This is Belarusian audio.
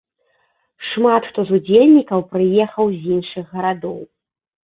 Шмат хто з удзельнікаў прыехаў з іншых гарадоў.